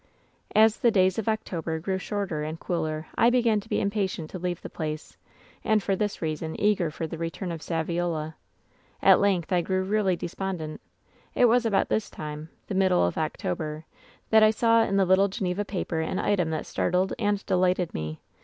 "As the days of October grew shorter and cooler I began to be impatient to leave the place, and for this reason eager for the return of Saviola. At length I grew really despondent. It was about this time — ^the middle of October — that I saw in the little Geneva paper an item that startled and delighted me.